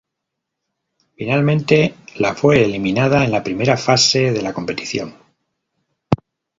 Finalmente, la fue eliminada en la primera fase de la competición.